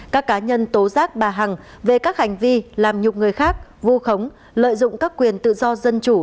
các cá nhân tố giác bà hằng về các hành vi làm nhục người khác vu khống lợi dụng các quyền tự do dân chủ